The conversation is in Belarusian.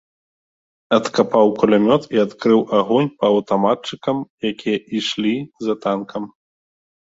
Адкапаў кулямёт і адкрыў агонь па аўтаматчыкам, якія ішлі за танкам.